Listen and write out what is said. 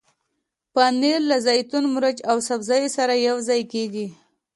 پنېر له زیتون، مرچ او سبزیو سره یوځای کېږي.